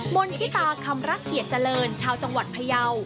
นธิตาคำรักเกียรติเจริญชาวจังหวัดพยาว